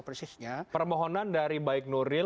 persisnya permohonan dari baik nuril